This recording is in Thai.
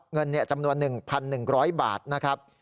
เงินจำนวน๑๑๐๐บาทนะครับ